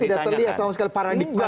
tidak terlihat sama sekali paradigma